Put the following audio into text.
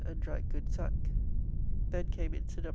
"] and drank good sack. Then came in Sir W.